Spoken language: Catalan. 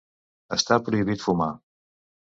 Està prohibit fumar.